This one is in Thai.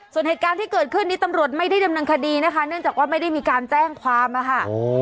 ส่วนเหตุการณ์ที่เกิดขึ้นนี้ตำรวจไม่ได้ดำเนินคดีนะคะเนื่องจากว่าไม่ได้มีการแจ้งความอะค่ะ